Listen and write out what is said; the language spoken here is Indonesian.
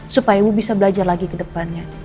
supaya bu bisa belajar lagi kedepannya